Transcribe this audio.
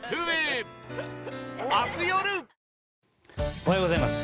おはようございます。